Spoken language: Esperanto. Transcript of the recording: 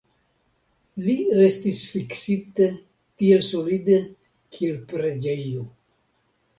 Li restis fiksite tiel solide kiel preĝejo.